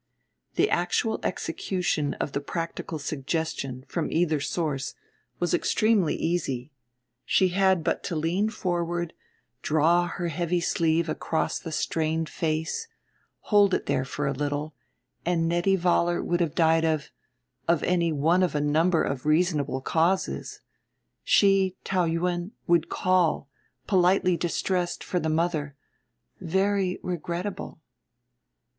The actual execution of the practical suggestion, from either source, was extremely easy; she had but to lean forward, draw her heavy sleeve across the strained face, hold it there for a little, and Nettie Vollar would have died of of any one of a number of reasonable causes. She, Taou Yuen, would call, politely distressed, for the mother ... very regrettable.